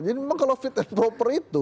jadi memang kalau fit and proper itu